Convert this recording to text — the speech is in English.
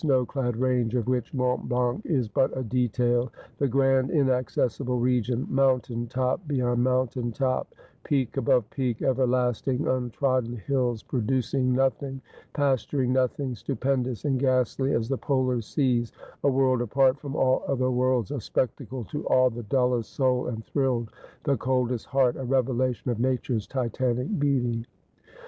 v clad range, of which Mont Blanc is but a detail — ^the grand inaccessible region ; mountain top beyond mountain top ; peak above peak ; everlasting, un trodden hills, producing nothing, pasturing nothing, stupendous and ghastly as the polar seas ; a world apart from all other worlds ; a spectacle to awe the dullest soul and thrill the coldest heart ; a revelation of Nature's Titanic beauty.